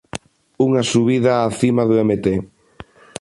Unha subida á cima do Mt.